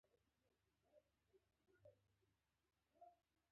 د وژل شوي کس جسد د بل بندي مخې ته پروت و